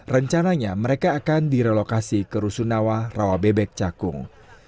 rencananya mereka akan direlokasi ke rusunawa rawabebek cakung